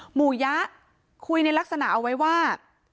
หมู่ยะคุยในลักษณะเอาไว้ว่า